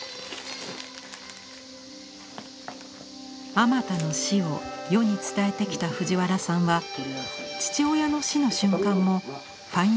あまたの死を世に伝えてきた藤原さんは父親の死の瞬間もファインダー越しに見つめました。